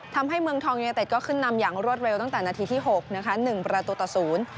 ทำให้เมืองทองยูเนเต็ดก็ขึ้นนำอย่างรวดเร็วตั้งแต่นาทีที่หกนะคะหนึ่งประตูต่อศูนย์